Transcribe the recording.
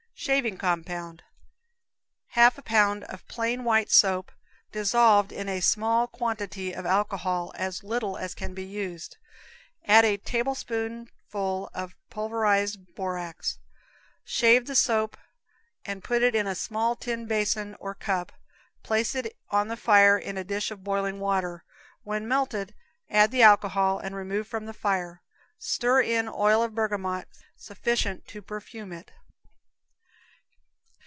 Shaving Compound. Half a pound of plain white soap, dissolved in a small quantity of alcohol, as little as can be used; add a tablespoonful of pulverized borax. Shave the soap and put it in a small tin basin or cup; place it on the fire in a dish of boiling water; when melted, add the alcohol, and remove from the fire; stir in oil of bergamot sufficient to perfume it.